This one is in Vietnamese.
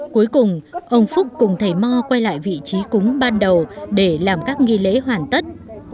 cuối cùng ông phúc cùng thầy mo quay lại vị trí cúng ban đầu để làm các nghi lễ hoàn tất